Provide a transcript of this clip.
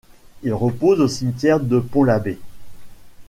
Il repose au cimetière de Pont l'Abbé.